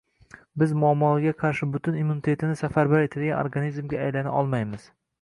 biz muammolarga qarshi butun immunitetini safarbar etadigan organizmga aylana olmaymiz.